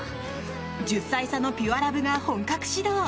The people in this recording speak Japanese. １０歳差のピュアラブが本格始動。